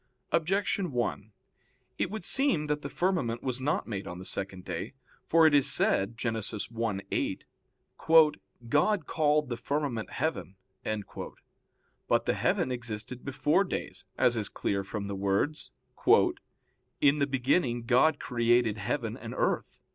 Objection 1: It would seem that the firmament was not made on the second day. For it is said (Gen. 1:8): "God called the firmament heaven." But the heaven existed before days, as is clear from the words, "In the beginning God created heaven and earth."